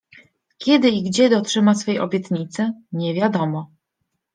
Kiedy i gdzie dotrzyma swej obietnicy… nie wiadomo.